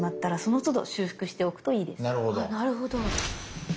なるほど。